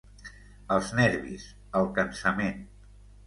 Els nervis, el cansament...